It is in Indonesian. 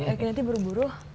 eh ki nanti buru buru